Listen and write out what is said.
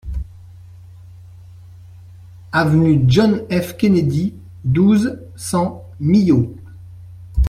Avenue John F Kennedy, douze, cent Millau